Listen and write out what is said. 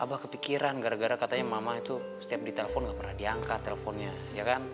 abah kepikiran gara gara katanya mama itu setiap ditelepon gak pernah diangkat teleponnya ya kan